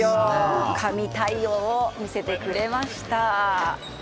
神対応を見せてくれました。